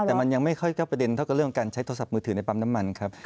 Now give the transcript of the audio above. แต่มันยังไม่ค่อยประเด็นเท่ากับเรื่องการใช้โทรศัพท์มือถือในปั๊มน้ำมันครับ